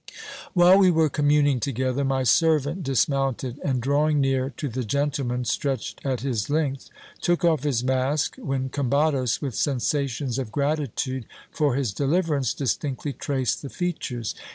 While we were communing together, my servant dismounted ; and drawing near to the gentleman stretched at his length, took off his mask, when Com bados, with sensations of gratitude for his deliverance, distinctly traced the features.